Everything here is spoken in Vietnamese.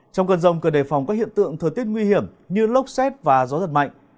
trong cơn rông cần đề phòng các hiện tượng thời tiết nguy hiểm như lốc xét và gió giật mạnh